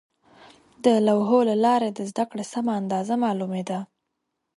د لوحو له لارې د زده کړې سمه اندازه معلومېده.